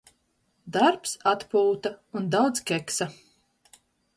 Darbs, atpūta un daudz keksa.